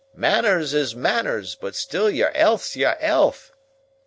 "Manners is manners, but still your elth's your elth."